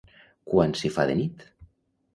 Quan s'hi fa de nit?